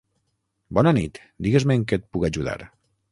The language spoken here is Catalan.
Bona nit, digues-me en què et puc ajudar.